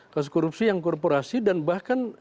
kasus korupsi yang korporasi dan bahkan